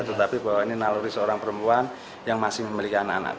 tetapi bahwa ini naluri seorang perempuan yang masih memiliki anak anak